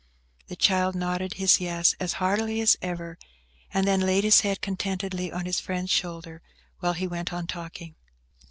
The child nodded his "yes" as heartily as ever, and then laid his head, contentedly, on his friend's shoulder, while he went on talking.